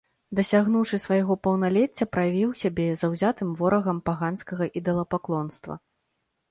Дасягнуўшы свайго паўналецця, праявіў сябе заўзятым ворагам паганскага ідалапаклонства.